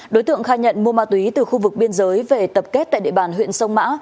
đối tượng khai nhận mua ma túy từ khu vực biên giới về tập kết tại địa bàn huyện sông mã